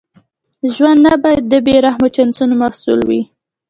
ژوند نه باید د بې رحمه چانسونو محصول وي.